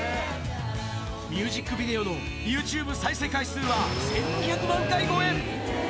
ミュージックビデオのユーチューブ再生回数は１２００万回超え。